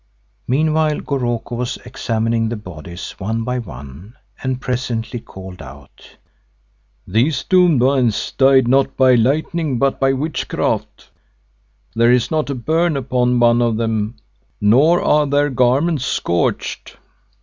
Meanwhile Goroko was examining the bodies one by one, and presently called out, "These doomed ones died not by lightning but by witchcraft. There is not a burn upon one of them, nor are their garments scorched."